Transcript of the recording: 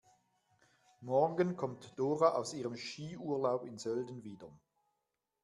Morgen kommt Dora aus ihrem Skiurlaub in Sölden wieder.